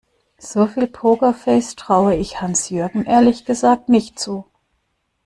So viel Pokerface traue ich Hans-Jürgen ehrlich gesagt nicht zu.